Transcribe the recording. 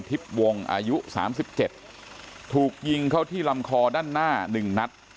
ทิพย์วงอายุสามสิบเจ็ดถูกยิงเข้าที่ลำคอด้านหน้าหนึ่งนัด